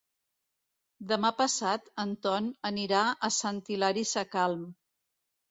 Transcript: Demà passat en Ton anirà a Sant Hilari Sacalm.